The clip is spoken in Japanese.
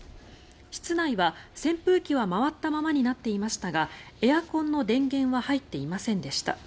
室内は、扇風機は回ったままになっていましたがエアコンの電源は入っていませんでした。